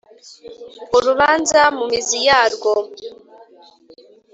urubanza mu mizi yarwo